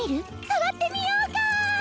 触ってみようか！